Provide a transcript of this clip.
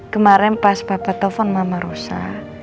kemaren pas papa telfon mama rusa